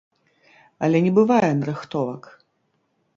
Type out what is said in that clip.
Але не бывае нарыхтовак.